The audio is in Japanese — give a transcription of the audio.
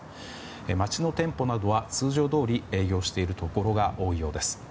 街の店舗などは通常どおり営業しているところが多いようです。